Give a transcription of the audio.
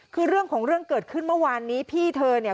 คือเรื่องของเรื่องเกิดขึ้นเมื่อวานนี้พี่เธอเนี่ย